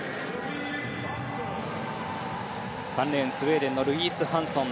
３レーン、スウェーデンのルイース・ハンソン。